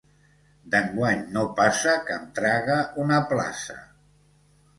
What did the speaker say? D'enguany no passa que em traga una plaça.